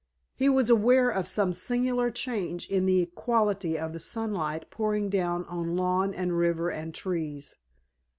He was aware of some singular change in the quality of the sunlight pouring down on lawn and river and trees.